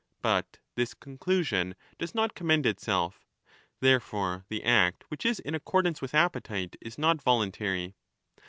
But this conclusion does not commend itself. Therefore the act which is in accordance with appetite is not voluntary.